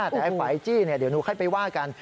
แต่ไอ้ฝัยจี้เนี่ยเดี๋ยวหนูค่อยไปว่ากัน